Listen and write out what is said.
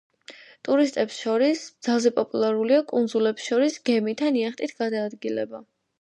ტურისტებს შორის ძალზე პოპულარულია კუნძულებს შორის გემით ან იახტით გადაადგილება.